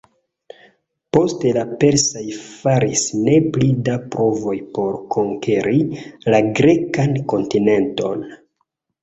Poste la persaj faris ne pli da provoj por konkeri la grekan kontinenton.